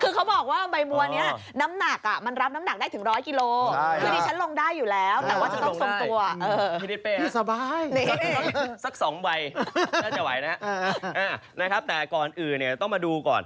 คือเขาบอกว่าใบบัวนี้น้ำหนักมันรับน้ำหนักได้ถึงร้อยกิโล